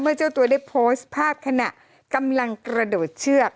เจ้าตัวได้โพสต์ภาพขณะกำลังกระโดดเชือก